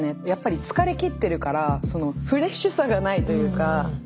やっぱり疲れきってるからフレッシュさがないというか。